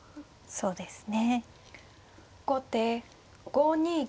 そうですね。